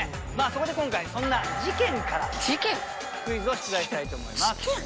そこで今回そんな事件からクイズを出題したいと思います。